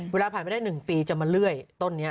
เวลาผ่านไปได้๑ปีจะมาเลื่อยต้นนี้